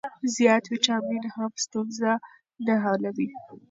زیات ویټامین هم ستونزه نه حلوي.